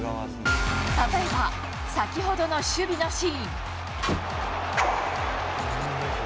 例えば先ほどの守備のシーン。